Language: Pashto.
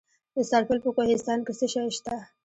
د سرپل په کوهستان کې څه شی شته؟